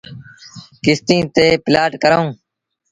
ڪستيٚن تي پلآٽ ڪرآئوٚݩ۔